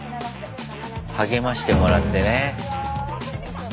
励ましてもらってね。